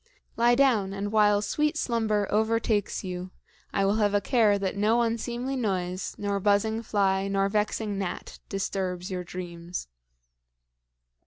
Lie down, and while sweet slumber overtakes you, I will have a care that no unseemly noise, nor buzzing fly, nor vexing gnat disturbs your dreams."